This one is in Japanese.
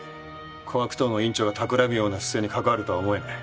小悪党の院長がたくらむような不正に関わるとは思えない。